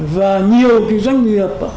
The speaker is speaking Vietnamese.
và nhiều cái doanh nghiệp